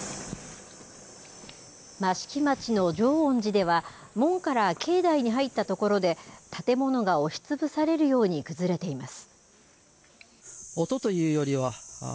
益城町の浄恩寺では、門から境内に入った所で、建物が押し潰されるように崩れています。